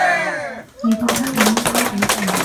你覺得我應該點做